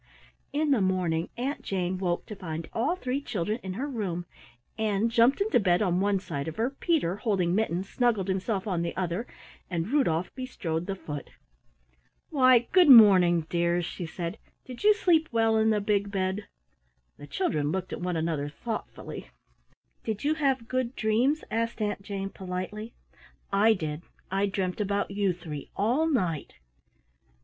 In the morning Aunt Jane woke to find all three children in her room. Ann jumped into bed on one side of her, Peter, holding Mittens, snuggled himself on the other, and Rudolf bestrode the foot. "Why, good morning, dears," she said. "Did you sleep well in the big bed?" The children looked at one another thoughtfully. "Did you have good dreams?" asked Aunt Jane politely. "I did, I dreamt about you three all night."